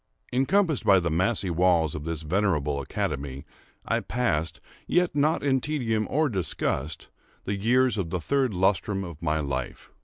Encompassed by the massy walls of this venerable academy, I passed, yet not in tedium or disgust, the years of the third lustrum of my life.